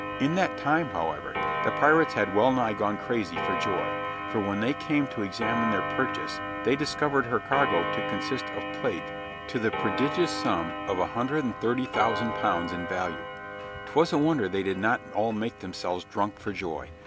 In that time, however, the pirates had well nigh gone crazy for joy; for when they came to examine their purchase they discovered her cargo to consist of plate to the prodigious sum of £130,000 in value. 'Twas a wonder they did not all make themselves drunk for joy.